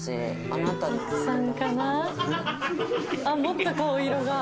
あっもっと顔色が。